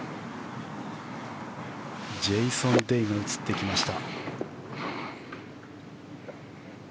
ジェイソン・デイが映ってきました。